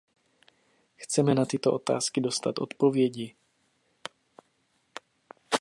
Chceme na tyto otázky dostat odpovědi.